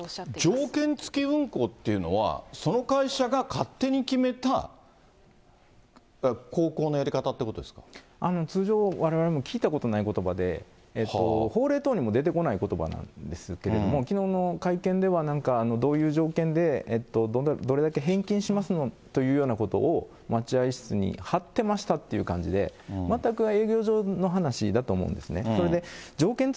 条件付き運航っていうのは、その会社が勝手に決めた、通常、われわれも聞いたことないことばで、法令等にも出てこないことばなんですけれども、きのうの会見ではなんか、どういう条件でどれだけ返金しますというようなことを待合室に張ってましたっていう感じで、全く営業上の話だと思うんですね。